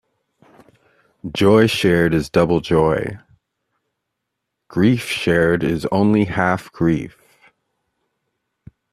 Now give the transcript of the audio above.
Joy shared is double joy; grief shared is only half grief.